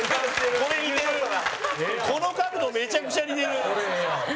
この角度、めちゃくちゃ似てる。